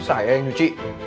saya yang cuci